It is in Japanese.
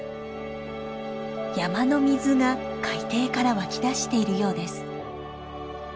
山の水が海底から湧き出しているようです。